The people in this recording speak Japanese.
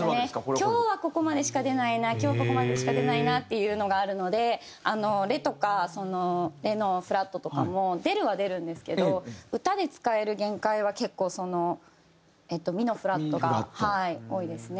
今日はここまでしか出ないな今日はここまでしか出ないなっていうのがあるのでレとかレのフラットとかも出るは出るんですけど歌で使える限界は結構そのミのフラットが多いですね。